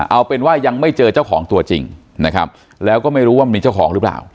เอาเป็นว่ายังไม่เจอเจ้าของตัวจริงนะครับแล้วก็ไม่รู้ว่ามีเจ้าของหรือเปล่า